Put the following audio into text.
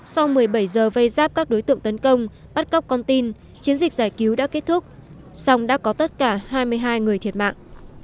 sau một mươi bảy giờ vây giáp các đối tượng tấn công bắt cóc con tin chiến dịch giải cứu đã kết thúc song đã có tất cả hai mươi hai người thiệt mạng